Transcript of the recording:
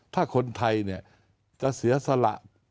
ถ้าคนไทยจะเสียสละ